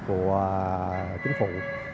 của chính phủ